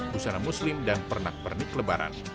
pusana muslim dan pernah pernik lebaran